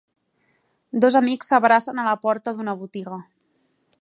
Dos amics s'abracen a la porta d'una botiga